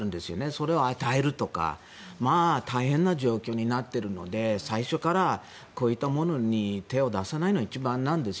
それを与えるとか大変な状況になっているので最初からこういったものに手を出さないのが一番なんです。